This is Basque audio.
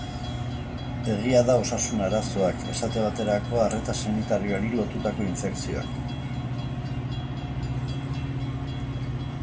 Egia da osasun arazoak, esate baterako arreta sanitarioari lotutako infekzioak.